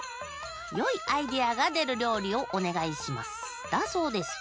「よいアイデアがでるりょうりをおねがいします」だそうです。